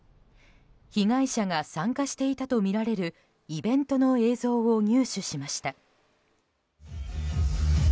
被害者が参加していたとみられるイベントの映像を入手しました。